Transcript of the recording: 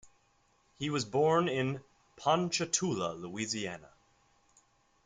He was born in Ponchatoula, Louisiana.